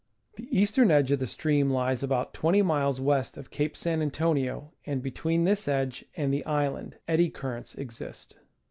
The eastern edge of the stream lies about 20 miles west of Cape San Antonio, and between this edge and the island, eddy currents exist.